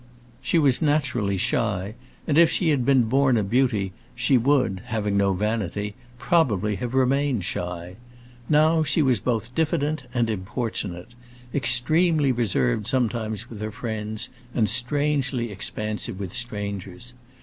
She was naturally shy, and if she had been born a beauty, she would (having no vanity) probably have remained shy. Now, she was both diffident and importunate; extremely reserved sometimes with her friends, and strangely expansive with strangers.